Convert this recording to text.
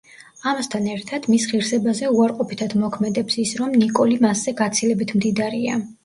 ამასთან ერთად, მის ღირსებაზე უარყოფითად მოქმედებს ის, რომ ნიკოლი მასზე გაცილებით მდიდარია.